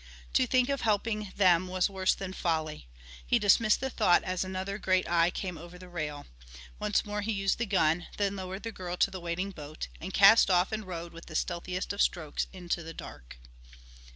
To think of helping them was worse than folly he dismissed the thought as another great eye came over the rail. Once more he used the gun, then lowered the girl to the waiting boat, and cast off and rowed with the stealthiest of strokes into the dark.